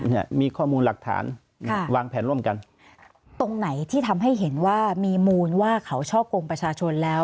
เนี่ยมีข้อมูลหลักฐานค่ะวางแผนร่วมกันตรงไหนที่ทำให้เห็นว่ามีมูลว่าเขาช่อกงประชาชนแล้ว